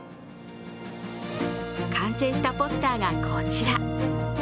完成したポスターがこちら。